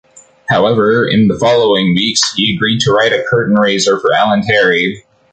However, in the following weeks, he agreed to write a curtain raiser for Ellen Terry.